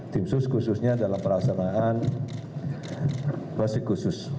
tim sus khususnya dalam perasaan proses khusus